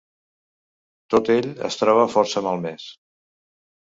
Tot ell es troba força malmès.